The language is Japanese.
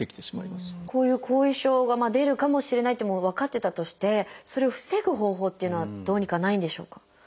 こういう後遺症が出るかもしれないってもう分かってたとしてそれを防ぐ方法っていうのはどうにかないんでしょうか？